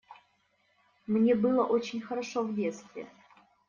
Мне было очень хорошо в детстве.